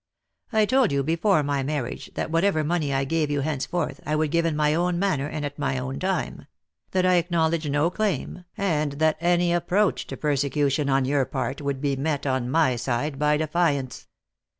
I told you before my marriage that whatever money I gave you henceforth I would give in my own manner and at my own time ; that I acknowledge no claim, and that any approach to persecution on your part would be met on my side by defiance.